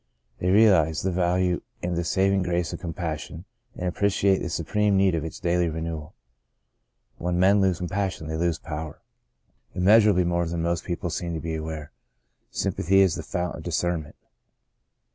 They realize the value in the saving grace of compassion, and appre ciate the supreme need of its daily renewal. When men lose compassion, they lose power. Immeasurably more than most people seem to be aware, sympathy is the fount of dis cernment.